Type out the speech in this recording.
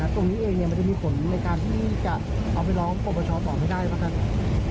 ตรงนี้เองมันจะมีผลในการที่จะเอาไปร้องปรปชต่อไม่ได้แล้วกัน